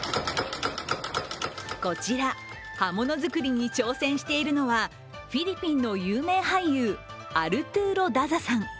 こちら刃物作りに挑戦しているのはフィリピンの有名俳優アルトゥーロ・ダザさん。